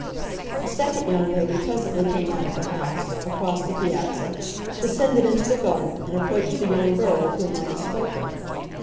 A second young lady presently came out of the house, across the piazza, descended into the garden and approached the young girl of whom I have spoken.